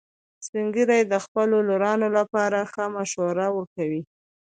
سپین ږیری د خپلو لورونو لپاره ښه مشوره ورکوي